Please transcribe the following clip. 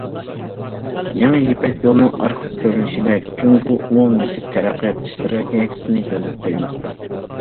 يېڭى يىپەك يولىنىڭ ئارقا كۆرۈنۈشىدە جۇڭگو ئومۇميۈزلۈك تەرەققىيات ئىستراتېگىيەسىنى يولغا قويماقتا.